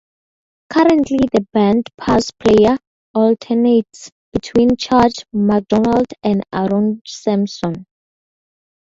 Currently the band's bass player alternates between Chad MacDonald and Aaron Samson.